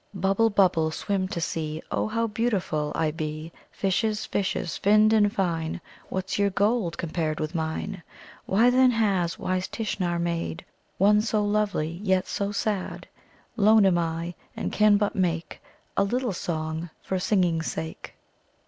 "Bubble, Bubble, Swim to see Oh, how beautiful I be. "Fishes, Fishes, Finned and fine, What's your gold Compared with mine? "Why, then, has Wise Tishnar made One so lovely, Yet so sad? "Lone am I, And can but make A little song, For singing's sake."